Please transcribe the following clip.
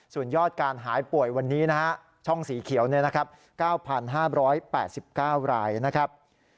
ส่วนยอดการหายป่วยวันนี้นะฮะช่องสีเขียว๙๕๘๙รายนะครับ